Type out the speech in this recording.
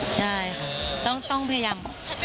ใช่ค่ะต้องพยายาม